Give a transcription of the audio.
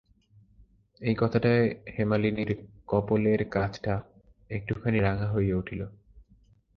এই কথাটায় হেমনলিনীর কপোলের কাছটা একটুখানি রাঙা হইয়া উঠিল।